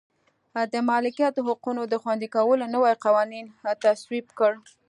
د مالکیت حقونو د خوندي کولو نوي قوانین تصویب کړل.